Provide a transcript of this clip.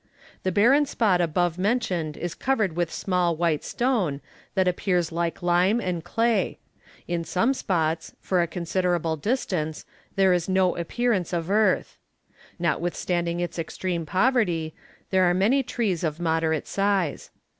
The barren spot above mentioned is covered with small white stone, that appears like lime and clay; in some spots, for a considerable distance, there is no appearance of earth. Notwithstanding its extreme poverty, there are many trees of moderate size.